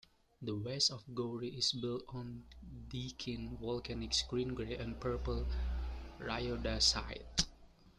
The west of Gowrie is built on Deakin Volcanics green-grey and purple rhyodacite.